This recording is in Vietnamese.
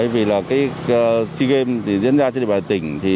vì sea games diễn ra trên địa bàn tỉnh